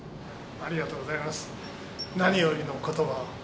ありがとうございます。